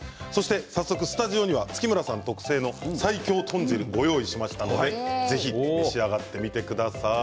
早速スタジオには月村さん特製の最強豚汁をご用意しましたのでぜひ召し上がってみてください。